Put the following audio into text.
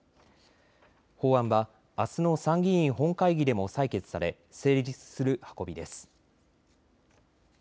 法案はあすの参議院本会議でも採決され、成立する運びです。